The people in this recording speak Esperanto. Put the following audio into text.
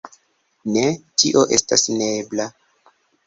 Ne, tio estas neebla.